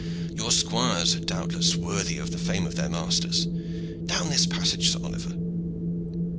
Your squires are doubtless worthy the fame of their masters. Down this passage, Sir Oliver!